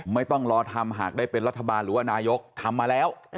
ไม่ต้องรอทำหากได้เป็นรัฐบาลหรือว่านายกทำมาแล้ว